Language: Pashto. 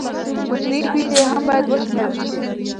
کوچنۍ پیسې هم باید وشمېرل شي.